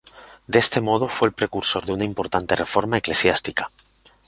De este modo fue el precursor de una importante reforma eclesiástica.